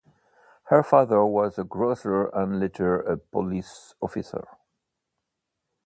Her father was a grocer and later a police officer.